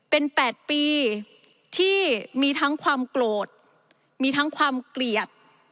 เป็น๘ปีที่มีทั้งความโกรธมีทั้งความเกลียด